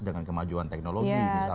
dengan kemajuan teknologi